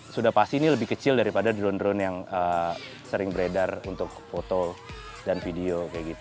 sudah pasti ini lebih kecil daripada drone drone yang sering beredar untuk foto dan video